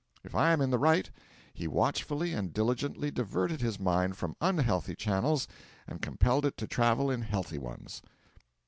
If I am in the right, he watchfully and diligently diverted his mind from unhealthy channels and compelled it to travel in healthy ones.